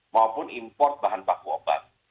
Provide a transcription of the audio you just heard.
maupun import bahan baku obat